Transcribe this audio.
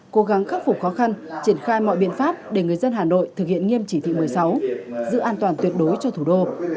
cố gắng khắc phục khó khăn triển khai mọi biện pháp để người dân hà nội thực hiện nghiêm chỉ thị một mươi sáu giữ an toàn tuyệt đối cho thủ đô